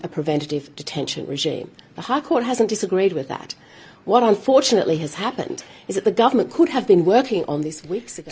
pemerintah yang melanggar hukum